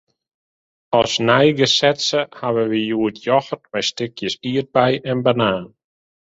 As neigesetsje hawwe wy hjoed yochert mei stikjes ierdbei en banaan.